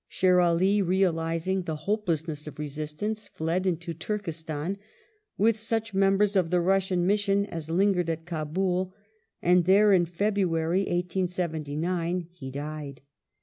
Sher All, realizing the hopelessness of resistance, fled into Turkestan, with such members of the Russian mission as / lingered at Kabul, and there in February, 1879, he died.